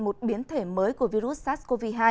một biến thể mới của virus sars cov hai